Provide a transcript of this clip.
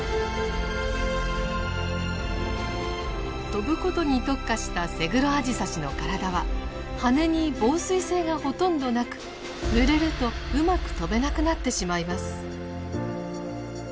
飛ぶことに特化したセグロアジサシの体は羽に防水性がほとんどなくぬれるとうまく飛べなくなってしまいます。